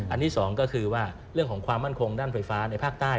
อันนี้สองก็คือว่าเรื่องของความมั่นคงด้านไฟฟ้าในภาคใต้